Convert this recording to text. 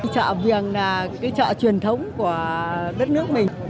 chợ viêng là chợ truyền thống của đất nước mình